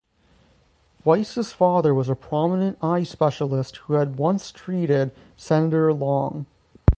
Weiss's father was a prominent eye specialist who had once treated Senator Long.